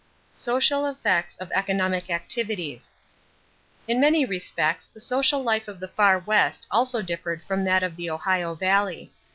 =Social Effects of Economic Activities.= In many respects the social life of the Far West also differed from that of the Ohio Valley.